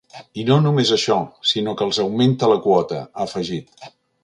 I no només això, sinó que els augmenta la quota, ha afegit.